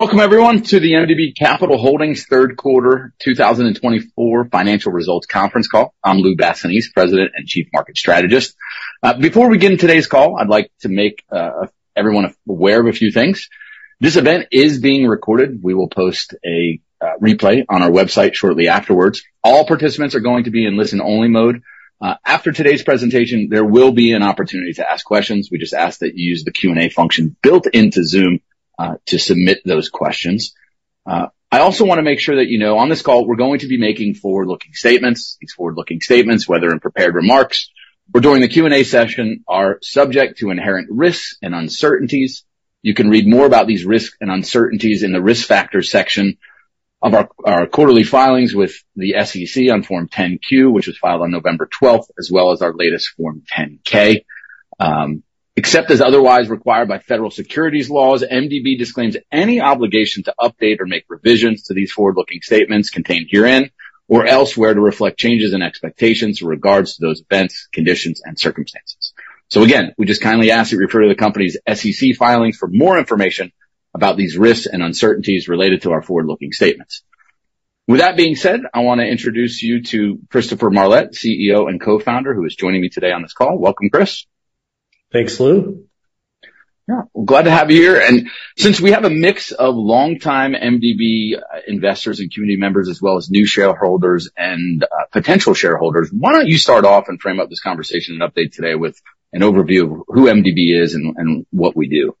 Welcome, everyone, to the MDB Capital Holdings Third Quarter 2024 Financial Results Conference Call. I'm Lou Basenese, President and Chief Market Strategist. Before we begin today's call, I'd like to make everyone aware of a few things. This event is being recorded. We will post a replay on our website shortly afterwards. All participants are going to be in listen-only mode. After today's presentation, there will be an opportunity to ask questions. We just ask that you use the Q&A function built into Zoom to submit those questions. I also want to make sure that you know on this call, we're going to be making forward-looking statements. These forward-looking statements, whether in prepared remarks or during the Q&A session, are subject to inherent risks and uncertainties. You can read more about these risks and uncertainties in the risk factors section of our quarterly filings with the SEC on Form 10-Q, which was filed on November 12th, as well as our latest Form 10-K. Except as otherwise required by federal securities laws, MDB disclaims any obligation to update or make revisions to these forward-looking statements contained herein or elsewhere to reflect changes in expectations in regards to those events, conditions, and circumstances. So again, we just kindly ask that you refer to the company's SEC filings for more information about these risks and uncertainties related to our forward-looking statements. With that being said, I want to introduce you to Christopher Marlett, CEO and co-founder, who is joining me today on this call. Welcome, Chris. Thanks, Lou. Yeah, glad to have you here. And since we have a mix of longtime MDB investors and community members, as well as new shareholders and potential shareholders, why don't you start off and frame up this conversation and update today with an overview of who MDB is and what we do?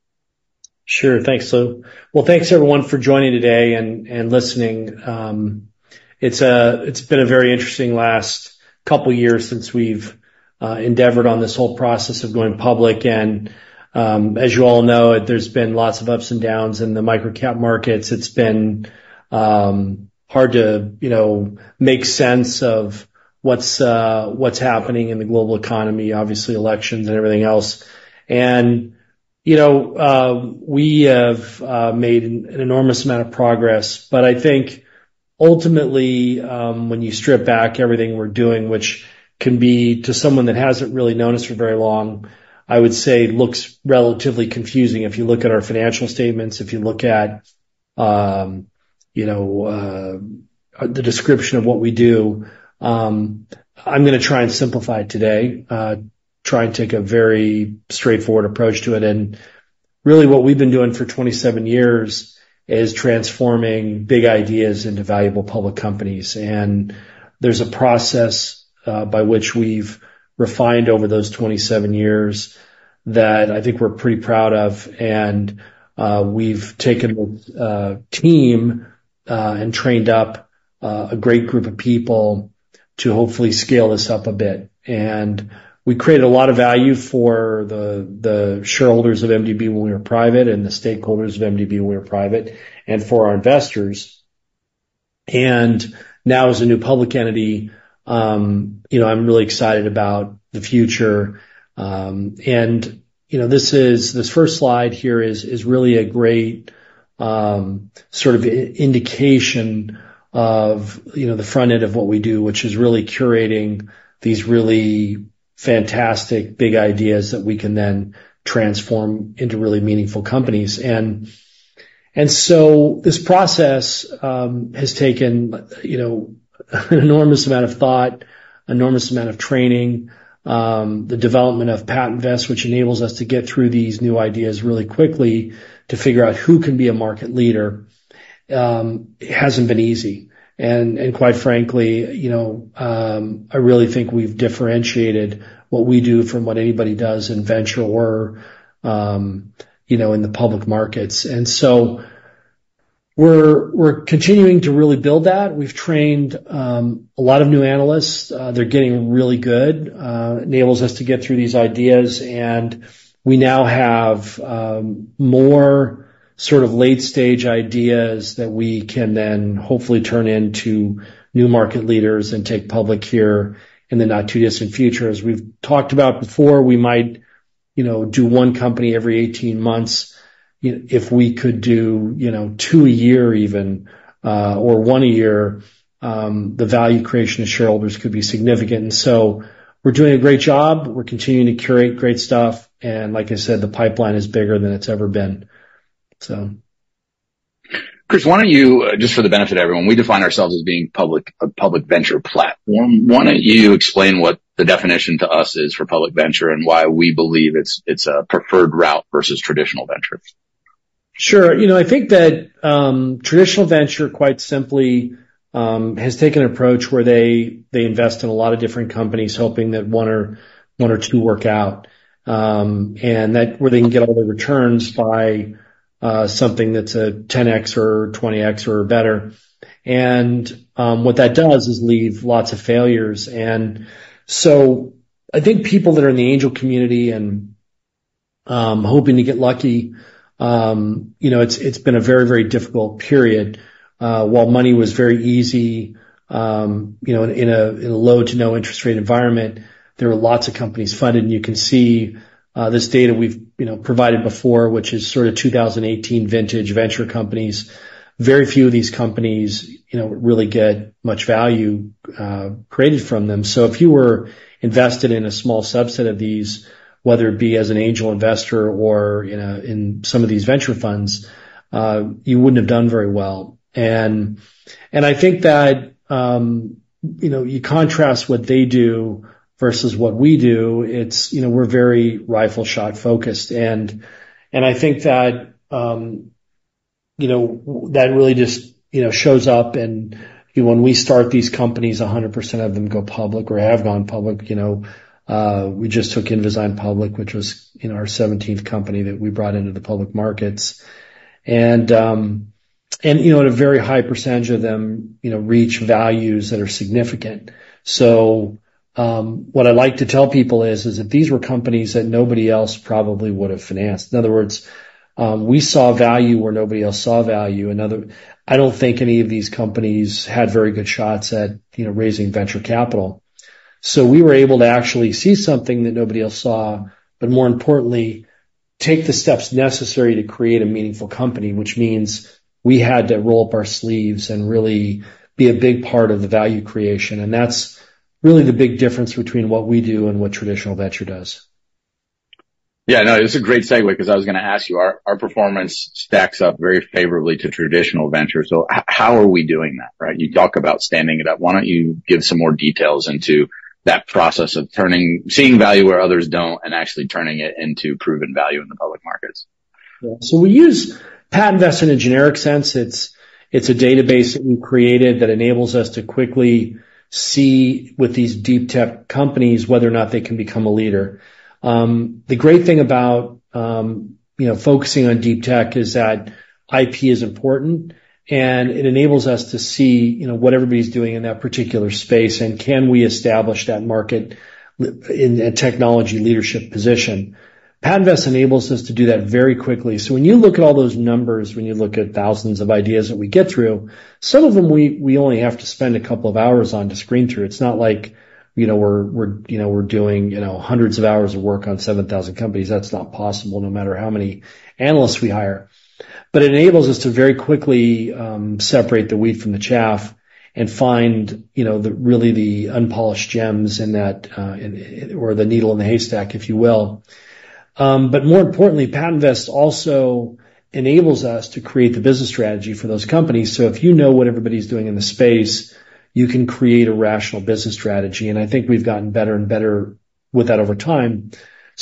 Sure, thanks, Lou. Well, thanks, everyone, for joining today and listening. It's been a very interesting last couple of years since we've endeavored on this whole process of going public. And as you all know, there's been lots of ups and downs in the micro-cap markets. It's been hard to make sense of what's happening in the global economy, obviously elections and everything else. And we have made an enormous amount of progress. But I think ultimately, when you strip back everything we're doing, which can be to someone that hasn't really known us for very long, I would say looks relatively confusing if you look at our financial statements, if you look at the description of what we do. I'm going to try and simplify it today, try and take a very straightforward approach to it. And really, what we've been doing for 27 years is transforming big ideas into valuable public companies. And there's a process by which we've refined over those 27 years that I think we're pretty proud of. And we've taken the team and trained up a great group of people to hopefully scale this up a bit. And we created a lot of value for the shareholders of MDB when we were private and the stakeholders of MDB when we were private and for our investors. And now, as a new public entity, I'm really excited about the future. And this first slide here is really a great sort of indication of the front end of what we do, which is really curating these really fantastic big ideas that we can then transform into really meaningful companies. And so this process has taken an enormous amount of thought, an enormous amount of training. The development of PatentVest, which enables us to get through these new ideas really quickly to figure out who can be a market leader, hasn't been easy. And quite frankly, I really think we've differentiated what we do from what anybody does in venture or in the public markets. And so we're continuing to really build that. We've trained a lot of new analysts. They're getting really good. It enables us to get through these ideas. And we now have more sort of late-stage ideas that we can then hopefully turn into new market leaders and take public here in the not-too-distant future. As we've talked about before, we might do one company every 18 months. If we could do two a year even or one a year, the value creation of shareholders could be significant. And so we're doing a great job. We're continuing to curate great stuff. And like I said, the pipeline is bigger than it's ever been, so. Chris, why don't you, just for the benefit of everyone, we define ourselves as being Public Venture platform. Why don't you explain what the definition to us is Public Venture and why we believe it's a preferred route versus traditional venture? Sure. I think that traditional venture, quite simply, has taken an approach where they invest in a lot of different companies, hoping that one or two work out and that where they can get all the returns by something that's a 10x or 20x or better. And what that does is leave lots of failures. And so I think people that are in the angel community and hoping to get lucky, it's been a very, very difficult period. While money was very easy in a low-to-no-interest rate environment, there were lots of companies funded. And you can see this data we've provided before, which is sort of 2018 vintage venture companies. Very few of these companies really get much value created from them. So if you were invested in a small subset of these, whether it be as an angel investor or in some of these venture funds, you wouldn't have done very well. And I think that you contrast what they do versus what we do. We're very rifle shot focused. And I think that really just shows up. And when we start these companies, 100% of them go public or have gone public. We just took Invizyne public, which was our 17th company that we brought into the public markets. And a very high percentage of them reach values that are significant. So what I like to tell people is that these were companies that nobody else probably would have financed. In other words, we saw value where nobody else saw value. I don't think any of these companies had very good shots at raising venture capital. So we were able to actually see something that nobody else saw, but more importantly, take the steps necessary to create a meaningful company, which means we had to roll up our sleeves and really be a big part of the value creation. And that's really the big difference between what we do and what traditional venture does. Yeah, no, it's a great segue because I was going to ask you, our performance stacks up very favorably to traditional venture. So how are we doing that, right? You talk about standing it up. Why don't you give some more details into that process of seeing value where others don't and actually turning it into proven value in the public markets? Yeah. So we use PatentVest in a generic sense. It's a database that we created that enables us to quickly see with these deep tech companies whether or not they can become a leader. The great thing about focusing on deep tech is that IP is important, and it enables us to see what everybody's doing in that particular space and can we establish that market in a technology leadership position. PatentVest enables us to do that very quickly. So when you look at all those numbers, when you look at thousands of ideas that we get through, some of them we only have to spend a couple of hours on to screen through. It's not like we're doing hundreds of hours of work on 7,000 companies. That's not possible no matter how many analysts we hire. But it enables us to very quickly separate the wheat from the chaff and find really the unpolished gems or the needle in the haystack, if you will. But more importantly, PatentVest also enables us to create the business strategy for those companies. So if you know what everybody's doing in the space, you can create a rational business strategy. And I think we've gotten better and better with that over time.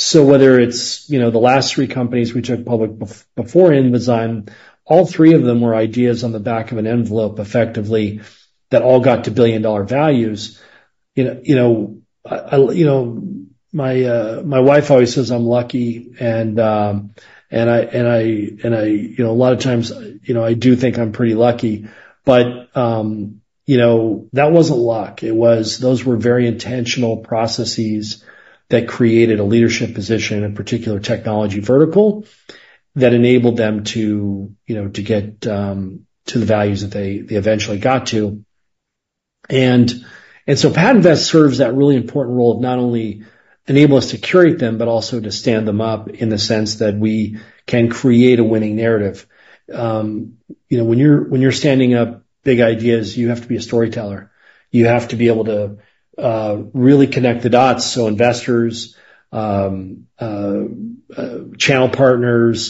So whether it's the last three companies we took public before Invizyne, all three of them were ideas on the back of an envelope effectively that all got to billion-dollar values. My wife always says I'm lucky. And a lot of times, I do think I'm pretty lucky. But that wasn't luck. Those were very intentional processes that created a leadership position in a particular technology vertical that enabled them to get to the values that they eventually got to, and so PatentVest serves that really important role of not only enabling us to curate them, but also to stand them up in the sense that we can create a winning narrative. When you're standing up big ideas, you have to be a storyteller. You have to be able to really connect the dots so investors, channel partners,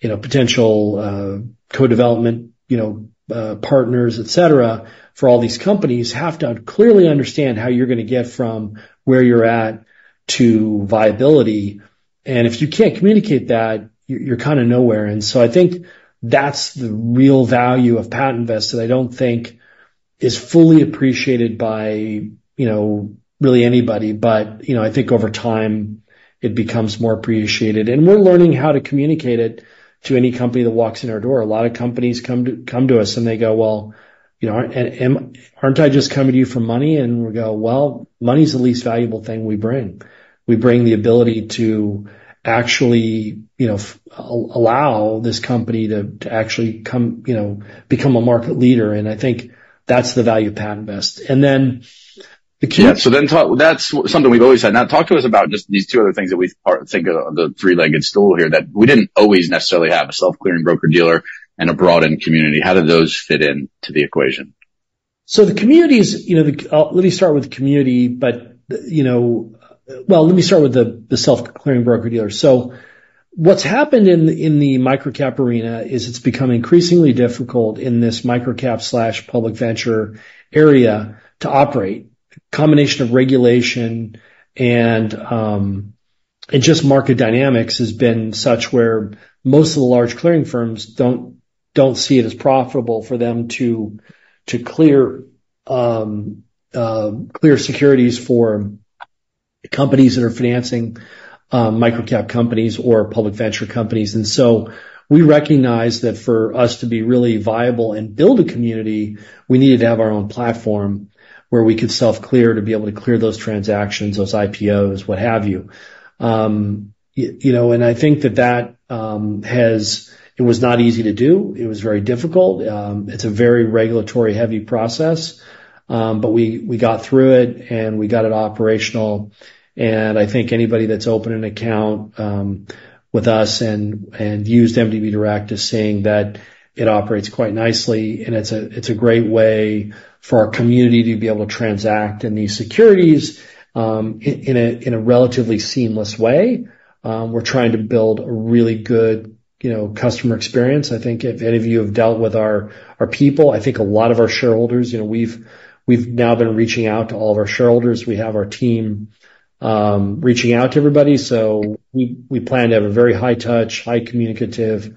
potential co-development partners, etc., for all these companies have to clearly understand how you're going to get from where you're at to viability, and if you can't communicate that, you're kind of nowhere, and so I think that's the real value of PatentVest that I don't think is fully appreciated by really anybody, but I think over time, it becomes more appreciated. And we're learning how to communicate it to any company that walks in our door. A lot of companies come to us and they go, "Well, aren't I just coming to you for money?" And we go, "Well, money is the least valuable thing we bring. We bring the ability to actually allow this company to actually become a market leader." And I think that's the value of PatentVest. And then the key is. Yeah. So then that's something we've always had. Now, talk to us about just these two other things that we think of the three-legged stool here that we didn't always necessarily have: a self-clearing broker-dealer and a broadened community. How did those fit into the equation? So the community is. Let me start with the community, but well, let me start with the self-clearing broker-dealer. So what's happened in the micro-cap arena is it's become increasingly difficult in micro-cap/Public Venture area to operate. A combination of regulation and just market dynamics has been such where most of the large clearing firms don't see it as profitable for them to clear securities for companies that are financing micro-cap companies Public Venture companies. And so we recognize that for us to be really viable and build a community, we needed to have our own platform where we could self-clear to be able to clear those transactions, those IPOs, what have you. And I think that that was not easy to do. It was very difficult. It's a very regulatory-heavy process. But we got through it, and we got it operational. I think anybody that's opened an account with us and used MDB Direct is saying that it operates quite nicely. It's a great way for our community to be able to transact in these securities in a relatively seamless way. We're trying to build a really good customer experience. I think if any of you have dealt with our people. I think a lot of our shareholders. We've now been reaching out to all of our shareholders. We have our team reaching out to everybody. We plan to have a very high-touch, high-communicative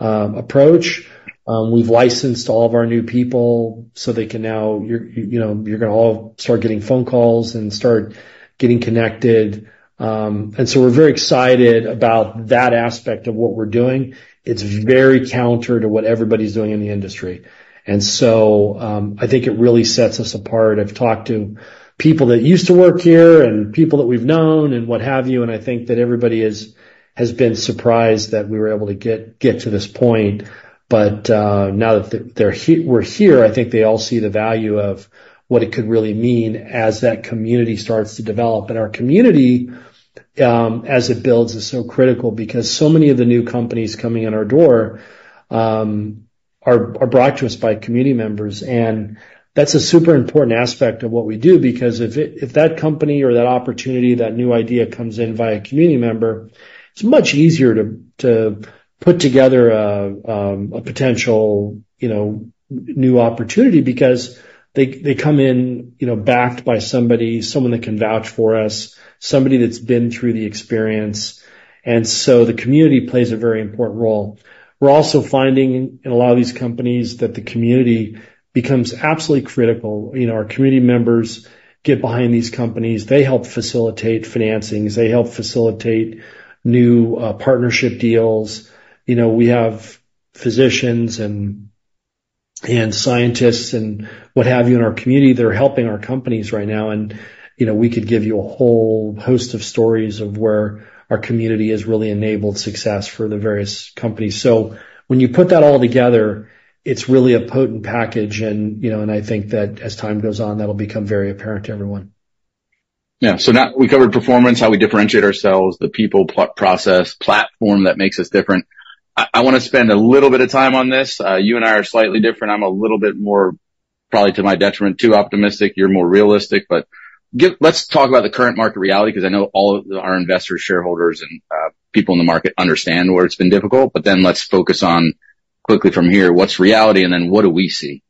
approach. We've licensed all of our new people so they can now. You're going to all start getting phone calls and start getting connected. We're very excited about that aspect of what we're doing. It's very counter to what everybody's doing in the industry. I think it really sets us apart. I've talked to people that used to work here and people that we've known and what have you. I think that everybody has been surprised that we were able to get to this point. Now that we're here, I think they all see the value of what it could really mean as that community starts to develop. Our community, as it builds, is so critical because so many of the new companies coming in our door are brought to us by community members. That's a super important aspect of what we do because if that company or that opportunity, that new idea comes in via a community member, it's much easier to put together a potential new opportunity because they come in backed by somebody, someone that can vouch for us, somebody that's been through the experience. And so the community plays a very important role. We're also finding in a lot of these companies that the community becomes absolutely critical. Our community members get behind these companies. They help facilitate financings. They help facilitate new partnership deals. We have physicians and scientists and what have you in our community. They're helping our companies right now. And we could give you a whole host of stories of where our community has really enabled success for the various companies. So when you put that all together, it's really a potent package. And I think that as time goes on, that'll become very apparent to everyone. Yeah. So now we covered performance, how we differentiate ourselves, the people process, platform that makes us different. I want to spend a little bit of time on this. You and I are slightly different. I'm a little bit more, probably to my detriment, too optimistic. You're more realistic. But let's talk about the current market reality because I know all of our investors, shareholders, and people in the market understand where it's been difficult. But then let's focus on quickly from here, what's reality, and then what do we see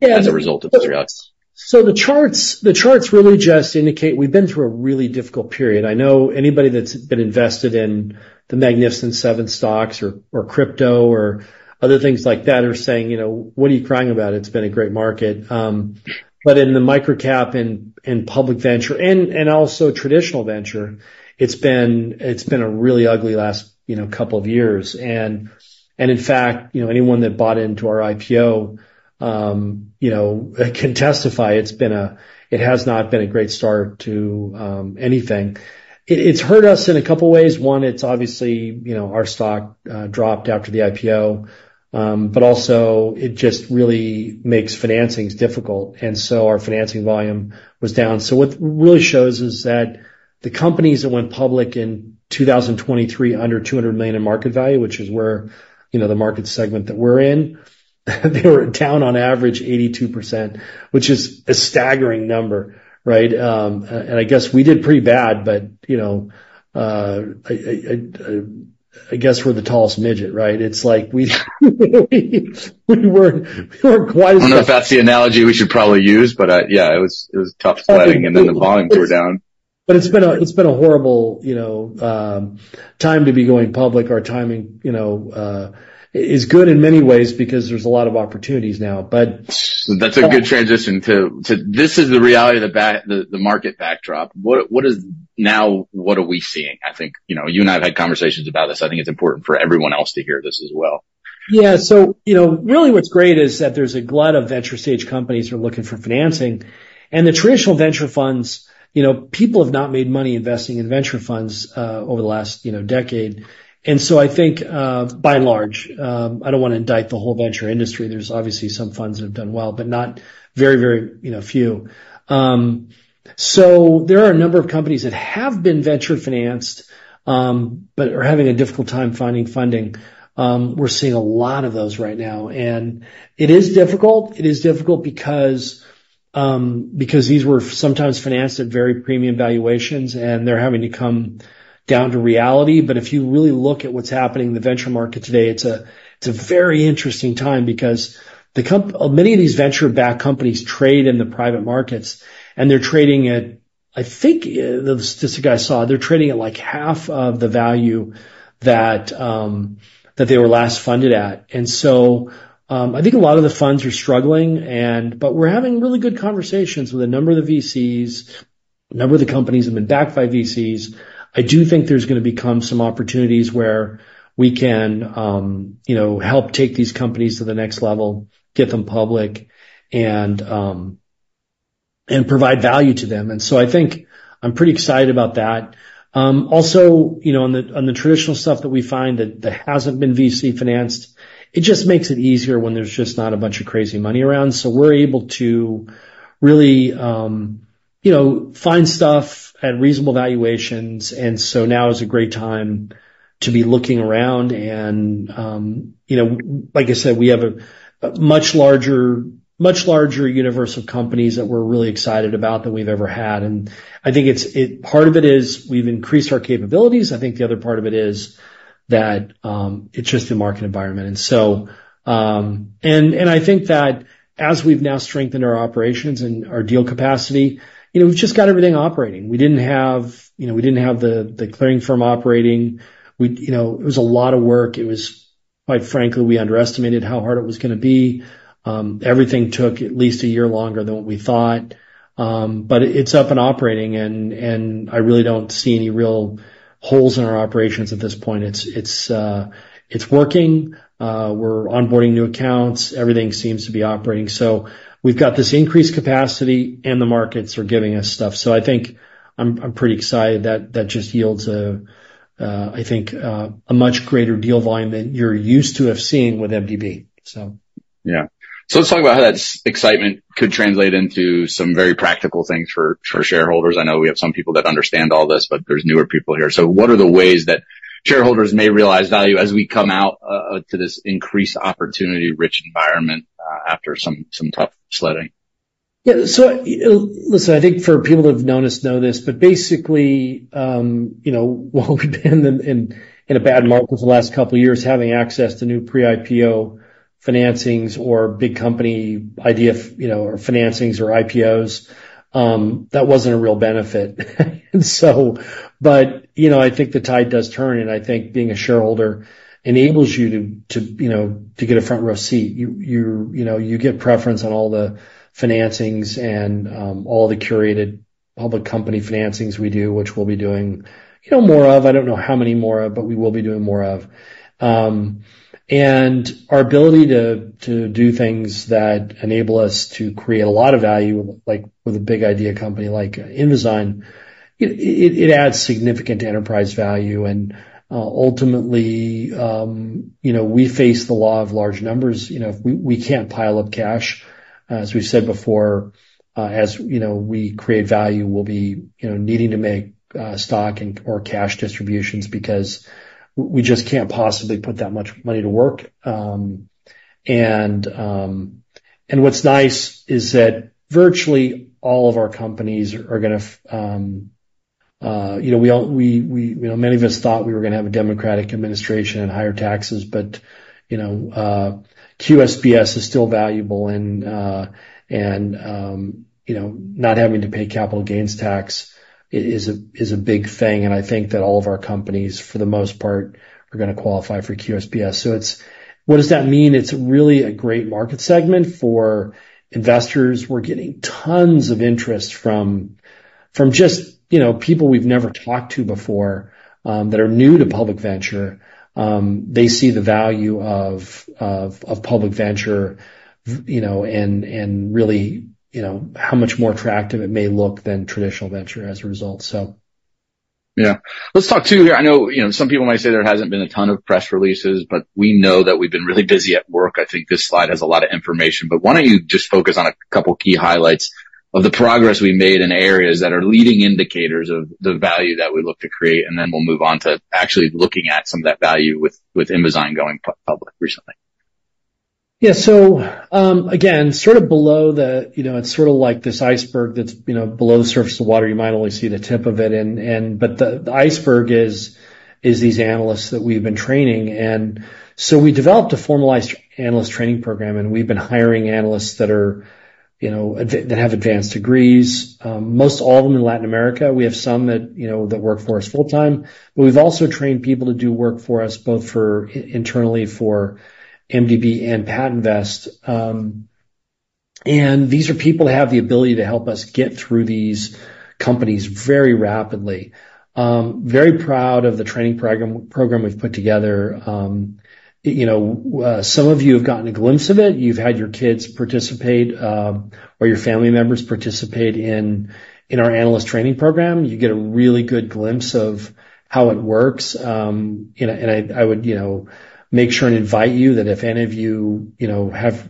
as a result of this reality? So the charts really just indicate we've been through a really difficult period. I know anybody that's been invested in the Magnificent Seven stocks or crypto or other things like that are saying, "What are you crying about? It's been a great market." But in the micro-cap Public Venture and also traditional venture, it's been a really ugly last couple of years. And in fact, anyone that bought into our IPO can testify it has not been a great start to anything. It's hurt us in a couple of ways. One, it's obviously our stock dropped after the IPO. But also, it just really makes financings difficult. And so our financing volume was down. So what really shows is that the companies that went public in 2023 under $200 million in market value, which is where the market segment that we're in, they were down on average 82%, which is a staggering number, right? And I guess we did pretty bad, but I guess we're the tallest midget, right? It's like we weren't quite as. I don't know if that's the analogy we should probably use, but yeah, it was tough sweating, and then the volumes were down. But it's been a horrible time to be going public. Our timing is good in many ways because there's a lot of opportunities now, but. That's a good transition to. This is the reality of the market backdrop. Now, what are we seeing? I think you and I have had conversations about this. I think it's important for everyone else to hear this as well. Yeah. So really what's great is that there's a glut of venture stage companies that are looking for financing. And the traditional venture funds, people have not made money investing in venture funds over the last decade. And so I think, by and large, I don't want to indict the whole venture industry. There's obviously some funds that have done well, but not very, very few. So there are a number of companies that have been venture financed but are having a difficult time finding funding. We're seeing a lot of those right now. And it is difficult. It is difficult because these were sometimes financed at very premium valuations, and they're having to come down to reality. But if you really look at what's happening in the venture market today, it's a very interesting time because many of these venture-backed companies trade in the private markets, and they're trading at, I think this is a guy I saw, they're trading at like half of the value that they were last funded at. And so I think a lot of the funds are struggling. But we're having really good conversations with a number of the VCs, a number of the companies have been backed by VCs. I do think there's going to become some opportunities where we can help take these companies to the next level, get them public, and provide value to them. And so I think I'm pretty excited about that. Also, on the traditional stuff that we find that hasn't been VC financed, it just makes it easier when there's just not a bunch of crazy money around. So we're able to really find stuff at reasonable valuations. And so now is a great time to be looking around. And like I said, we have a much larger universe of companies that we're really excited about than we've ever had. And I think part of it is we've increased our capabilities. I think the other part of it is that it's just the market environment. And I think that as we've now strengthened our operations and our deal capacity, we've just got everything operating. We didn't have the clearing firm operating. It was a lot of work. Quite frankly, we underestimated how hard it was going to be. Everything took at least a year longer than what we thought. But it's up and operating. And I really don't see any real holes in our operations at this point. It's working. We're onboarding new accounts. Everything seems to be operating. So we've got this increased capacity, and the markets are giving us stuff. So I think I'm pretty excited that just yields, I think, a much greater deal volume than you're used to have seen with MDB, so. Yeah, so let's talk about how that excitement could translate into some very practical things for shareholders. I know we have some people that understand all this, but there's newer people here. So what are the ways that shareholders may realize value as we come out to this increased opportunity-rich environment after some tough sweating? Yeah, so listen, I think for people that have known us, know this, but basically, while we've been in a bad market for the last couple of years, having access to new pre-IPO financings or big company idea financings or IPOs, that wasn't a real benefit. But I think the tide does turn. And I think being a shareholder enables you to get a front-row seat. You get preference on all the financings and all the curated public company financings we do, which we'll be doing more of. I don't know how many more of, but we will be doing more of. And our ability to do things that enable us to create a lot of value with a Big Idea company like Invizyne, it adds significant enterprise value. And ultimately, we face the law of large numbers. We can't pile up cash. As we've said before, as we create value, we'll be needing to make stock or cash distributions because we just can't possibly put that much money to work. And what's nice is that virtually all of our companies are going to. We know many of us thought we were going to have a Democratic administration and higher taxes, but QSBS is still valuable. And not having to pay capital gains tax is a big thing. And I think that all of our companies, for the most part, are going to qualify for QSBS. So what does that mean? It's really a great market segment for investors. We're getting tons of interest from just people we've never talked to before that are new Public Venture. they see the value Public Venture and really how much more attractive it may look than traditional venture as a result, so. Yeah. Let's talk too here. I know some people might say there hasn't been a ton of press releases, but we know that we've been really busy at work. I think this slide has a lot of information. But why don't you just focus on a couple of key highlights of the progress we made in areas that are leading indicators of the value that we look to create? And then we'll move on to actually looking at some of that value with Invizyne going public recently. Yeah. So again, sort of below the surface, it's sort of like this iceberg that's below the surface of the water. You might only see the tip of it. But the iceberg is these analysts that we've been training. We developed a formalized analyst training program, and we've been hiring analysts that have advanced degrees, most all of them in Latin America. We have some that work for us full-time. We've also trained people to do work for us, both internally for MDB and PatentVest. These are people that have the ability to help us get through these companies very rapidly. Very proud of the training program we've put together. Some of you have gotten a glimpse of it. You've had your kids participate or your family members participate in our analyst training program. You get a really good glimpse of how it works. I would make sure and invite you that if any of you have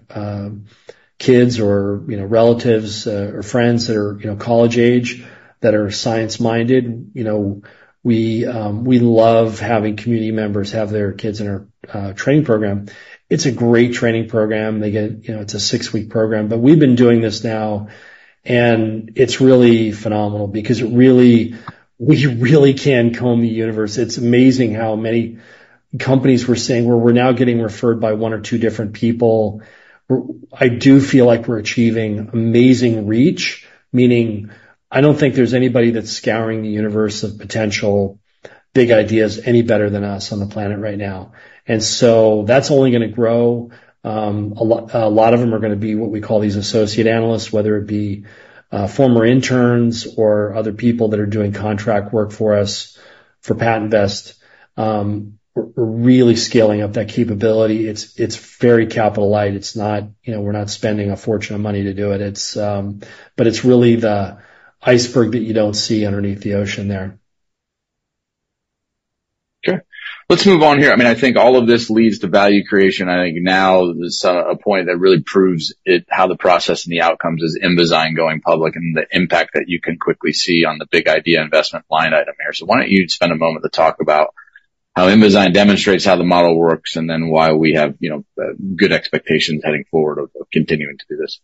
kids or relatives or friends that are college age that are science-minded, we love having community members have their kids in our training program. It's a great training program. It's a six-week program. But we've been doing this now, and it's really phenomenal because we really can comb the universe. It's amazing how many companies we're seeing where we're now getting referred by one or two different people. I do feel like we're achieving amazing reach, meaning I don't think there's anybody that's scouring the universe of potential big ideas any better than us on the planet right now. And so that's only going to grow. A lot of them are going to be what we call these associate analysts, whether it be former interns or other people that are doing contract work for us for PatentVest. We're really scaling up that capability. It's very capital-light. We're not spending a fortune of money to do it. But it's really the iceberg that you don't see underneath the ocean there. Okay. Let's move on here. I mean, I think all of this leads to value creation. I think now there's a point that really proves how the process and the outcomes is Invizyne going public and the impact that you can quickly see on the big idea investment line item here. So why don't you spend a moment to talk about how Invizyne demonstrates how the model works and then why we have good expectations heading forward of continuing to do this.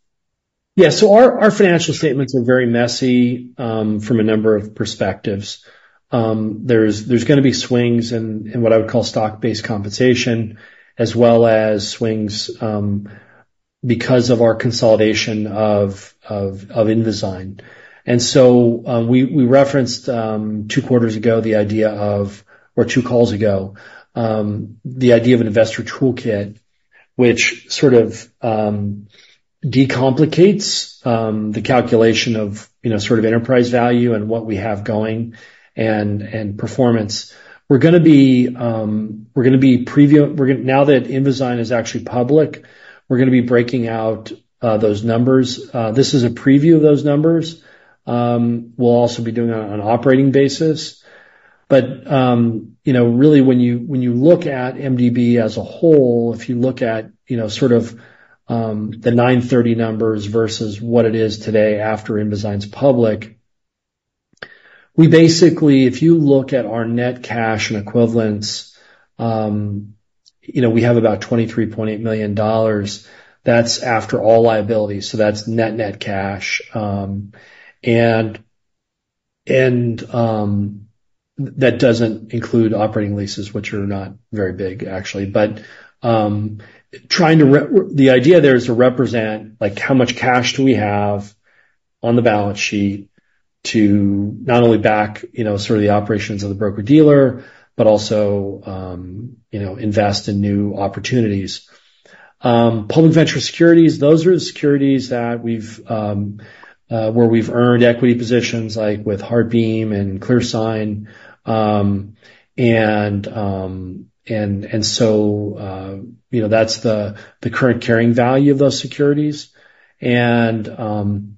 Yeah. So our financial statements are very messy from a number of perspectives. There's going to be swings in what I would call stock-based compensation as well as swings because of our consolidation of Invizyne. And so we referenced two quarters ago the idea of, or two calls ago, the idea of an investor toolkit, which sort of decomplicates the calculation of sort of enterprise value and what we have going and performance. We're going to be now that Invizyne is actually public, we're going to be breaking out those numbers. This is a preview of those numbers. We'll also be doing it on an operating basis. But really, when you look at MDB as a whole, if you look at sort of the 930 numbers versus what it is today after Invizyne's public, we basically, if you look at our net cash and equivalents, we have about $23.8 million. That's after all liabilities. So that's net-net cash. And that doesn't include operating leases, which are not very big, actually. But the idea there is to represent how much cash do we have on the balance sheet to not only back sort of the operations of the broker-dealer, but also invest in new Public Venture securities, those are the securities where we've earned equity positions like with HeartBeam and ClearSign. And so that's the current carrying value of those securities. And then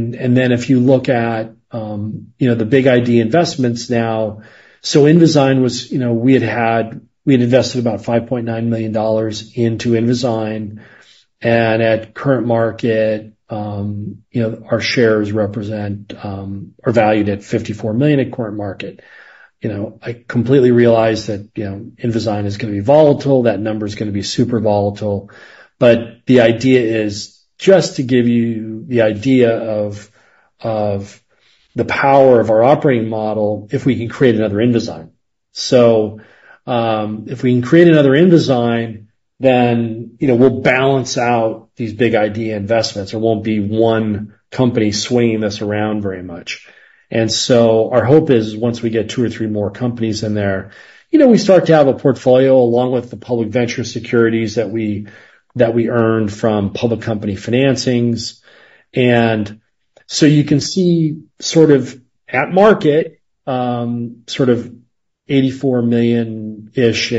if you look at the big idea investments now, so Invizyne, we had invested about $5.9 million into Invizyne. And at current market, our shares are valued at $54 million at current market. I completely realize that Invizyne is going to be volatile. That number is going to be super volatile. But the idea is just to give you the idea of the power of our operating model if we can create another Invizyne. So if we can create another Invizyne, then we'll balance out these big idea investments. There won't be one company swinging this around very much. And so our hope is once we get two or three more companies in there, we start to have a portfolio along with Public Venture securities that we earned from public company financings. And so you can see sort of at market, sort of $84 million-ish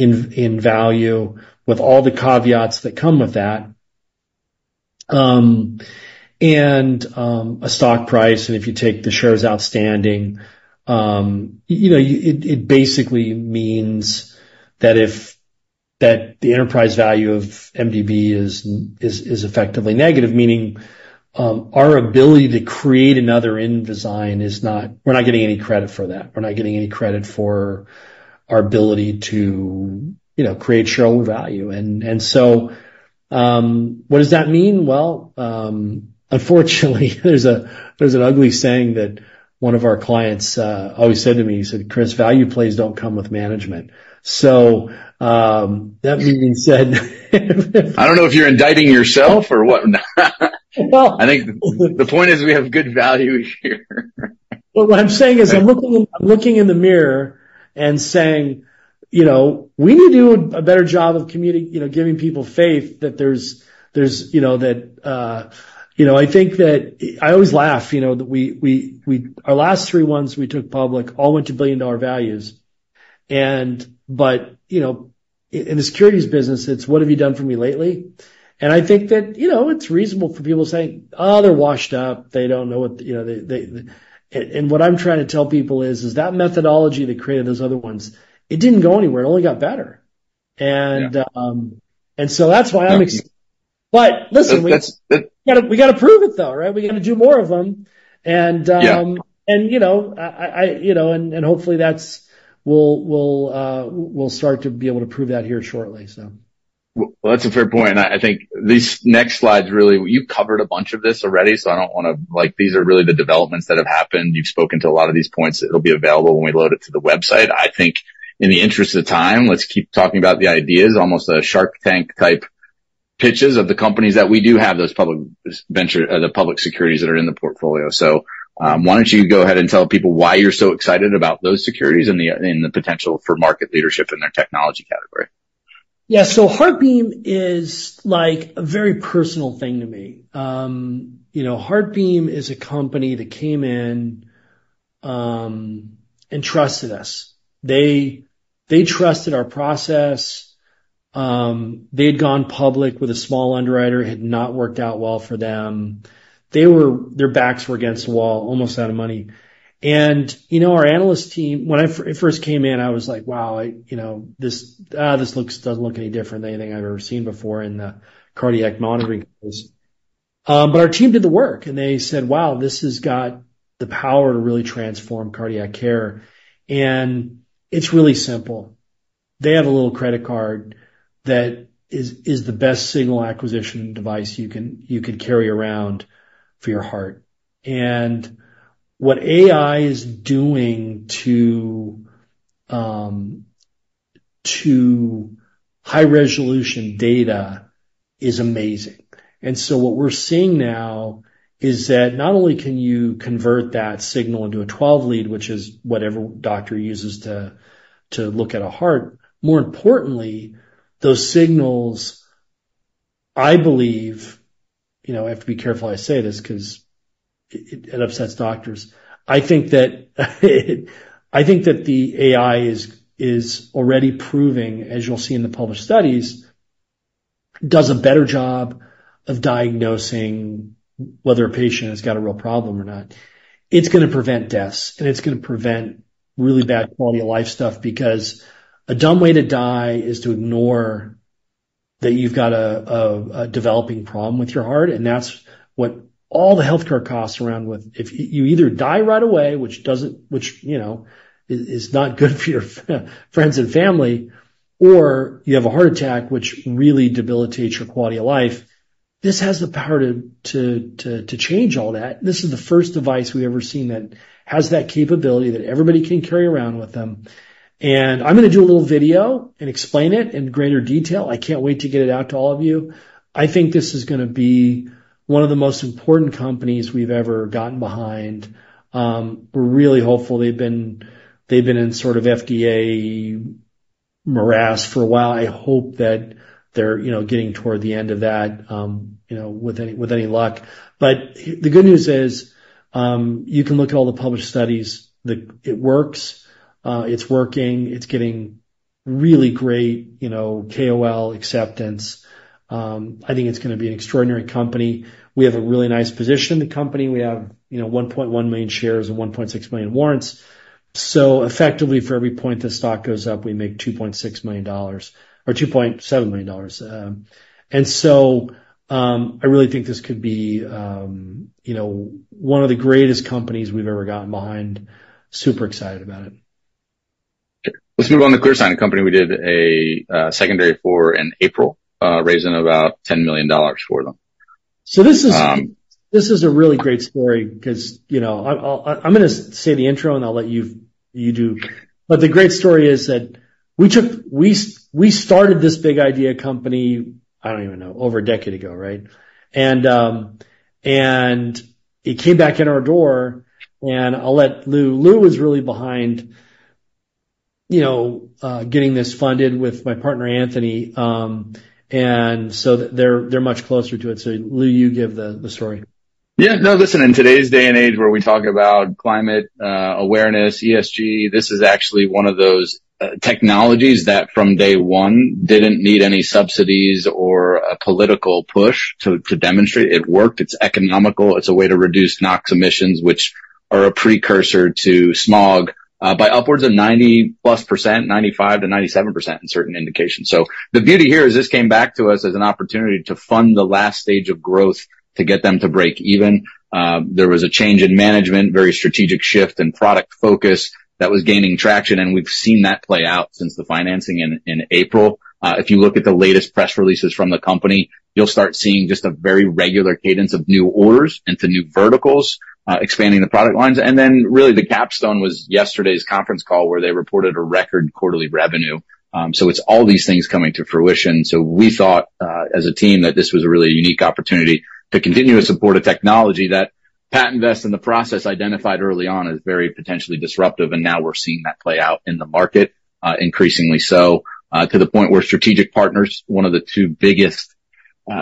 in value with all the caveats that come with that and a stock price. And if you take the shares outstanding, it basically means that the enterprise value of MDB is effectively negative, meaning our ability to create another Invizyne is not; we're not getting any credit for that. We're not getting any credit for our ability to create shareholder value. And so what does that mean? Well, unfortunately, there's an ugly saying that one of our clients always said to me. He said, "Chris, value plays don't come with management." So that being said. I don't know if you're indicting yourself or what. I think the point is we have good value here. What I'm saying is I'm looking in the mirror and saying, "We need to do a better job of giving people faith that there's. I think that I always laugh that our last three ones we took public all went to billion-dollar values. But in the securities business, it's, 'What have you done for me lately?'" I think that it's reasonable for people to say, "Oh, they're washed up. They don't know what the" and what I'm trying to tell people is that methodology that created those other ones, it didn't go anywhere. It only got better. And so that's why I'm excited, but listen, we got to prove it though, right? We got to do more of them. And hopefully, we'll start to be able to prove that here shortly, so. That's a fair point. I think these next slides really you've covered a bunch of this already, so I don't want to. These are really the developments that have happened. You've spoken to a lot of these points. It'll be available when we load it to the website. I think in the interest of time, let's keep talking about the ideas, almost a Shark Tank-type pitches of the companies that we do have those public securities that are in the portfolio. Why don't you go ahead and tell people why you're so excited about those securities and the potential for market leadership in their technology category? Yeah. So HeartBeam is a very personal thing to me. HeartBeam is a company that came in and trusted us. They trusted our process. They had gone public with a small underwriter. It had not worked out well for them. Their backs were against the wall, almost out of money. And our analyst team, when I first came in, I was like, "Wow, this doesn't look any different than anything I've ever seen before in the cardiac monitoring case." But our team did the work. And they said, "Wow, this has got the power to really transform cardiac care." And it's really simple. They have a little credit card that is the best single acquisition device you can carry around for your heart. And what AI is doing to high-resolution data is amazing. And so what we're seeing now is that not only can you convert that signal into a 12-lead, which is what every doctor uses to look at a heart. More importantly, those signals, I believe I have to be careful I say this because it upsets doctors. I think that the AI is already proving, as you'll see in the published studies, does a better job of diagnosing whether a patient has got a real problem or not. It's going to prevent deaths, and it's going to prevent really bad quality of life stuff because a dumb way to die is to ignore that you've got a developing problem with your heart. And that's what all the healthcare costs around with. If you either die right away, which is not good for your friends and family, or you have a heart attack, which really debilitates your quality of life, this has the power to change all that. This is the first device we've ever seen that has that capability that everybody can carry around with them, and I'm going to do a little video and explain it in greater detail. I can't wait to get it out to all of you. I think this is going to be one of the most important companies we've ever gotten behind. We're really hopeful. They've been in sort of FDA morass for a while. I hope that they're getting toward the end of that with any luck, but the good news is you can look at all the published studies. It works. It's working. It's getting really great KOL acceptance. I think it's going to be an extraordinary company. We have a really nice position in the company. We have 1.1 million shares and 1.6 million warrants. So effectively, for every point the stock goes up, we make $2.7 million. And so I really think this could be one of the greatest companies we've ever gotten behind. Super excited about it. Let's move on to ClearSign. A company we did a secondary for in April, raising about $10 million for them. So this is a really great story because I'm going to say the intro, and I'll let you do. But the great story is that we started this big idea company. I don't even know, over a decade ago, right? And it came back in our door. And I'll let Lou. Lou was really behind getting this funded with my partner, Anthony. And so they're much closer to it. So Lou, you give the story. Yeah. No, listen, in today's day and age where we talk about climate awareness, ESG, this is actually one of those technologies that from day one didn't need any subsidies or a political push to demonstrate. It worked. It's economical. It's a way to reduce NOx emissions, which are a precursor to smog by upwards of 90+%, 95%-97% in certain indications. So the beauty here is this came back to us as an opportunity to fund the last stage of growth to get them to break even. There was a change in management, very strategic shift in product focus that was gaining traction. And we've seen that play out since the financing in April. If you look at the latest press releases from the company, you'll start seeing just a very regular cadence of new orders into new verticals, expanding the product lines. Then really the capstone was yesterday's conference call where they reported a record quarterly revenue. It's all these things coming to fruition. We thought as a team that this was a really unique opportunity to continue to support a technology that PatentVest and the process identified early on as very potentially disruptive. Now we're seeing that play out in the market, increasingly so to the point where strategic partners, one of the two biggest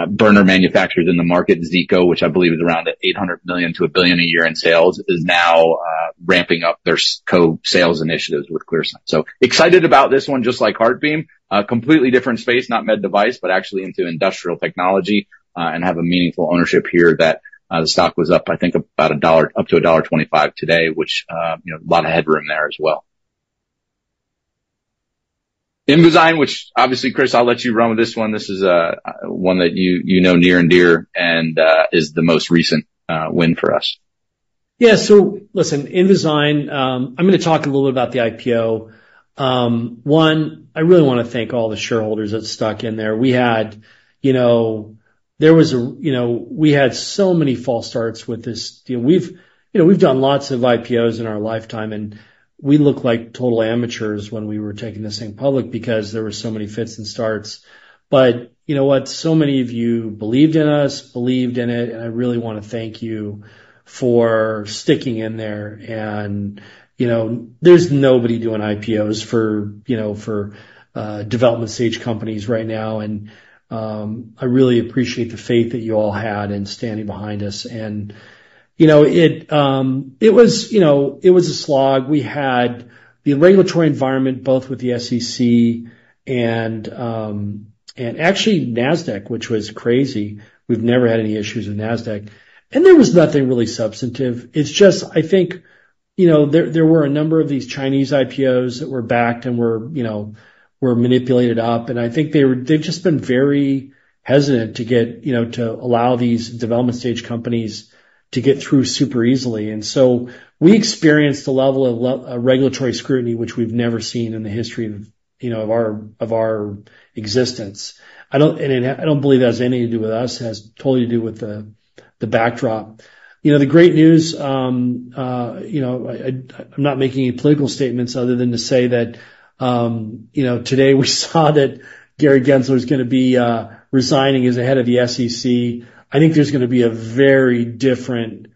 burner manufacturers in the market, Zeeco, which I believe is around $800 million-$1 billion a year in sales, is now ramping up their co-sales initiatives with ClearSign. So excited about this one, just like HeartBeam, completely different space, not med device, but actually into industrial technology and have a meaningful ownership here that the stock was up, I think, about up to $1.25 today, which a lot of headroom there as well. Invizyne, which obviously, Chris, I'll let you run with this one. This is one that you know near and dear and is the most recent win for us. Yeah. So listen, Invizyne, I'm going to talk a little bit about the IPO. One, I really want to thank all the shareholders that stuck in there. We had so many false starts with this. We've done lots of IPOs in our lifetime, and we looked like total amateurs when we were taking this thing public because there were so many fits and starts. But you know what? So many of you believed in us, believed in it. And I really want to thank you for sticking in there. And there's nobody doing IPOs for development-stage companies right now. And I really appreciate the faith that you all had in standing behind us. And it was a slog. We had the regulatory environment, both with the SEC and actually Nasdaq, which was crazy. We've never had any issues with Nasdaq. There was nothing really substantive. It's just, I think there were a number of these Chinese IPOs that were backed and were manipulated up. I think they've just been very hesitant to allow these development-stage companies to get through super easily. And so we experienced a level of regulatory scrutiny, which we've never seen in the history of our existence. And I don't believe that has anything to do with us. It has totally to do with the backdrop. The great news, I'm not making any political statements other than to say that today we saw that Gary Gensler was going to be resigning as the head of the SEC. I think there's going to be a very different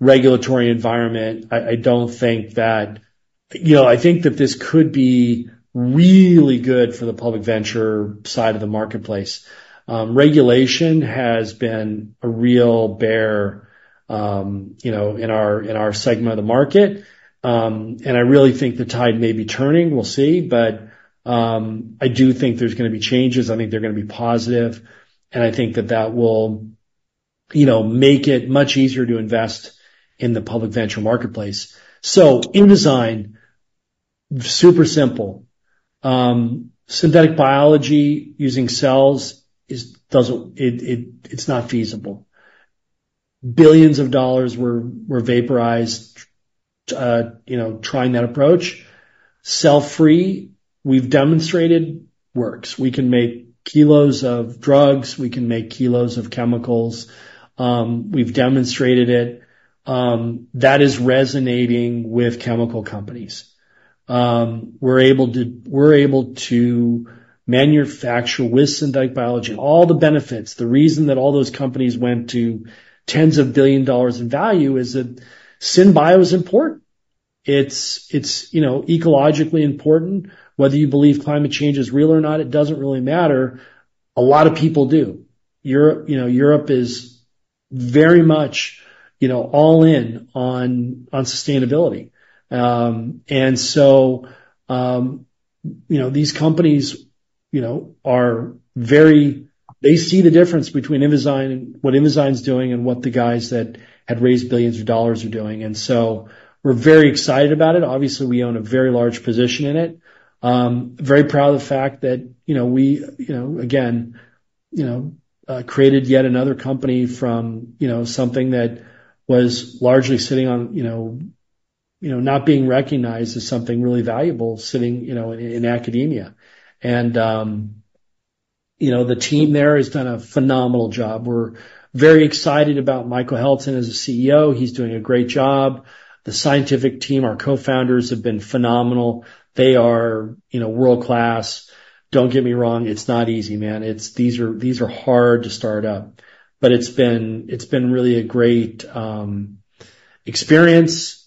regulatory environment. I don't think that this could be really good for Public Venture side of the marketplace. Regulation has been a real bear in our segment of the market, and I really think the tide may be turning. We'll see, but I do think there's going to be changes. I think they're going to be positive, and I think that that will make it much easier to invest in Public Venture marketplace, so Invizyne, super simple. Synthetic biology using cells, it's not feasible. Billions of dollars were vaporized trying that approach. Cell-free, we've demonstrated works. We can make kilos of drugs. We can make kilos of chemicals. We've demonstrated it. That is resonating with chemical companies. We're able to manufacture with synthetic biology. All the benefits, the reason that all those companies went to tens of billion dollars in value is that SynBio is important. It's ecologically important. Whether you believe climate change is real or not, it doesn't really matter. A lot of people do. Europe is very much all in on sustainability, and so these companies are very, they see the difference between Invizyne and what Invizyne is doing and what the guys that had raised billions of dollars are doing, and so we're very excited about it. Obviously, we own a very large position in it. Very proud of the fact that we, again, created yet another company from something that was largely sitting on, not being recognized as something really valuable sitting in academia, and the team there has done a phenomenal job. We're very excited about Michael Heltzen as a CEO. He's doing a great job. The scientific team, our co-founders, have been phenomenal. They are world-class. Don't get me wrong. It's not easy, man. These are hard to start up, but it's been really a great experience,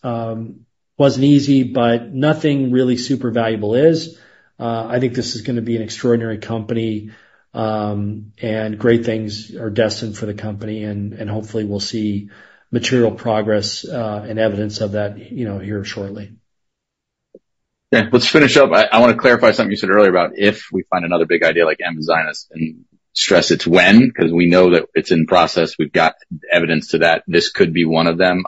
wasn't easy, but nothing really super valuable is. I think this is going to be an extraordinary company, and great things are destined for the company. And hopefully, we'll see material progress and evidence of that here shortly. Let's finish up. I want to clarify something you said earlier about if we find another big idea like Amazon and stress it's when because we know that it's in process. We've got evidence to that. This could be one of them.